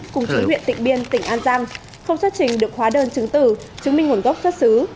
cùng chủ huyện tịnh biên tỉnh an giang không xuất trình được khóa đơn chứng từ chứng minh nguồn gốc xuất xứ